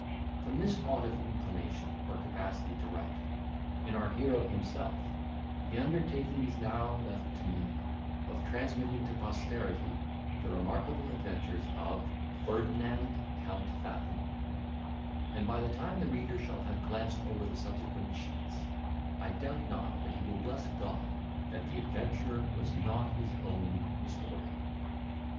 From this want of inclination or capacity to write, in our hero himself, the undertaking is now left to me, of transmitting to posterity the remarkable adventures of FERDINAND COUNT FATHOM; and by the time the reader shall have glanced over the subsequent sheets, I doubt not but he will bless God that the adventurer was not his own historian.